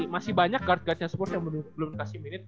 masih banyak guard guardnya spurs yang belum dikasih minute